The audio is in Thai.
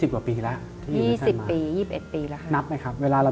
๒๐กว่าปีแล้ว๒๐๒๑ปีแล้ว